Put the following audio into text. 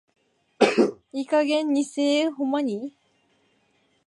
いい加減偽絵保マニ。